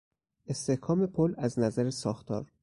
استحکام پل از نظر ساختار